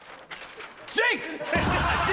「Ｊ」！